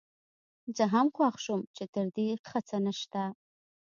زه هم خوښ شوم چې تر دې ښه څه نشته.